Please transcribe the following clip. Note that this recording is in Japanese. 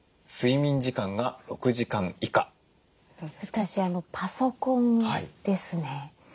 私パソコンですね。